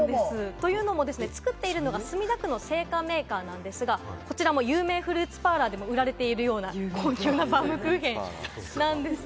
というのも、作っているのが墨田区の製菓メーカーなんですが、こちらも有名フルーツパーラーでも売られているような高級なバウムクーヘンなんですが。